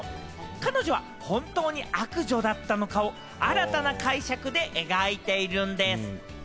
彼女は本当に悪女だったのかを新たな解釈で描いているんです。